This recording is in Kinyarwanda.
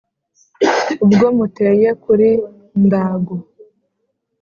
Ubwo muteye kuri Ndago